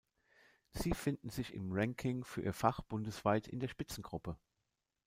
Sie finden sich im Ranking für ihr Fach bundesweit in der Spitzengruppe.